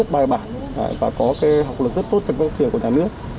bài bản và có học lực rất tốt trong phát triển của nhà nước